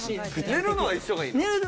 寝るのは一緒がいいの？